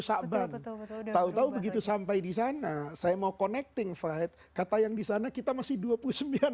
shabang tahu tahu begitu sampai di sana saya mau connecting flight kata yang disana kita masih dua puluh sembilan